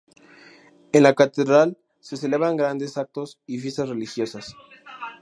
En la catedral se celebran grandes actos y fiestas religiosas.